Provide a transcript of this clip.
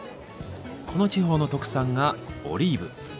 この地方の特産がオリーブ。